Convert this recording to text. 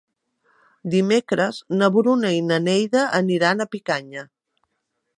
Dimecres na Bruna i na Neida aniran a Picanya.